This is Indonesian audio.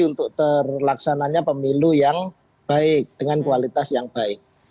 untuk terlaksananya pemilu yang baik dengan kualitas yang baik